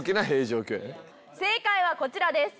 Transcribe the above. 正解はこちらです。